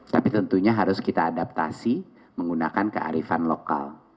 tapi tentunya harus kita adaptasi menggunakan kearifan lokal